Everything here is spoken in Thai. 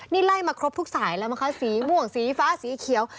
นี่ไล่มาครบทุกสายแล้วมั้งคะสีม่วงสีฟ้าสีเขียว